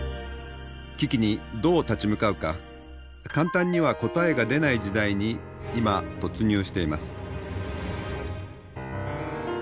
危機にどう立ち向かうか簡単には答えが出ない時代に今突入しています。